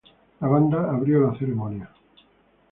La banda abrió la ceremonia.